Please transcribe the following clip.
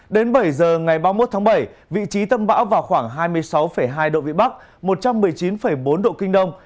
đến bảy giờ ngày ba mươi một tháng bảy vị trí tâm bão vào khoảng hai mươi sáu hai độ vĩ bắc một trăm một mươi chín bốn độ kinh đông